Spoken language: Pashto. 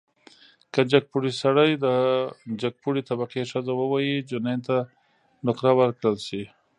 که جګپوړی سړی د جګپوړي طبقې ښځه ووهي، جنین ته نقره ورکړل شي.